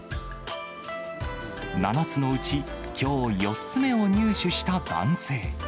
７つのうち、きょう、４つ目を入手した男性。